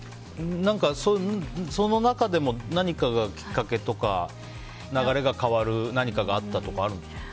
その中でも何かがきっかけとか流れが変わる何かがあったとかあるんですか。